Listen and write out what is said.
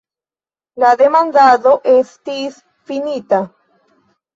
La demandado estis finita.